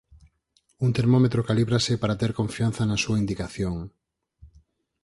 Un termómetro calíbrase para ter confianza na súa indicación.